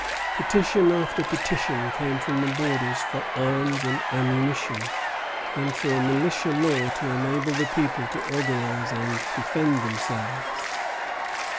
Petition after petition came from the borders for arms and ammunition, and for a militia law to enable the people to organize and defend themselves.